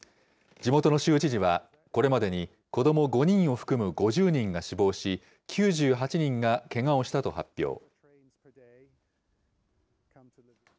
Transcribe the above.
地元の州知事は、これまでに子ども５人を含む５０人が死亡し、９８人がけがをしたと発表。